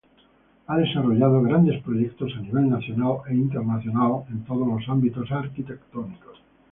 Ha desarrollado grandes proyectos a nivel nacional e internacional en todos los ámbitos arquitectónicos.